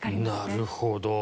なるほど。